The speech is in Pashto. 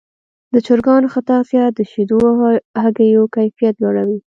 د چرګانو ښه تغذیه د شیدو او هګیو کیفیت لوړوي.